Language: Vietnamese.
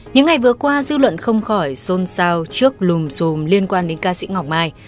những ngày vừa qua dư luận không khỏi xôn xao trước lùm xùm liên quan đến ca sĩ ngọc mai